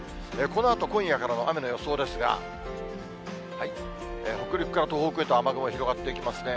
このあと、今夜からの雨の予想ですが、北陸から東北へと雨雲、広がっていきますね。